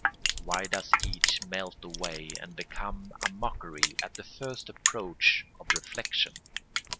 Why does each melt away and become a mockery at the first approach of reflection?